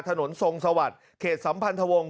ถนนทรงสวรรค์เขตสัมพันธวง